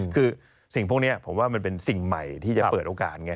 คือสิ่งพวกนี้ผมว่ามันเป็นสิ่งใหม่ที่จะเปิดโอกาสไง